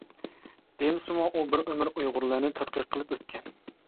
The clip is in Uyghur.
دېمىسىمۇ ئۇ بىر ئۆمۈر ئۇيغۇرلارنى تەتقىق قىلىپ ئۆتكەن.